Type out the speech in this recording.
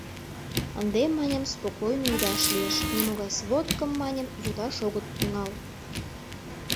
Ынде, маньым, спокойно ӱдаш лиеш, нимогай сводкым, маньым, йодаш огыт тӱҥал.